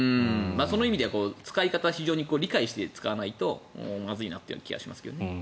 その意味でも使い方を非常に理解して使わないとまずいなと思います。